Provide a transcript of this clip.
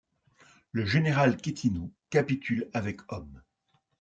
Le général Quétineau capitule avec hommes.